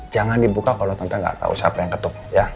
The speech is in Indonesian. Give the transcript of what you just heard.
jangan dibuka kalo tante gak tau siapa yang ketuk ya